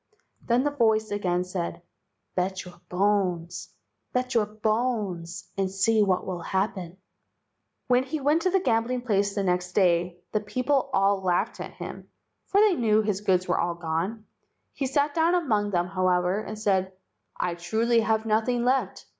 Then the voice again said, "Bet your bones, bet your bones, and see what will happen." When he went to the gambling place the next day the people all laughed at him, for they knew his goods were all gone. He sat down among them, however, and said: "I truly have nothing left.